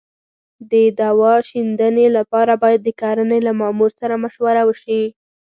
د دوا شیندنې لپاره باید د کرنې له مامور سره مشوره وشي.